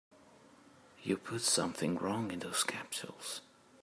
You put something wrong in those capsules.